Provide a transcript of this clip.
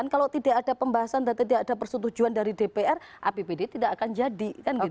kalau tidak ada pembahasan dan tidak ada persetujuan dari dpr apbd tidak akan jadi